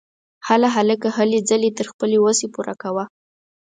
هله هلکه ! هلې ځلې تر خپلې وسې پوره کوه!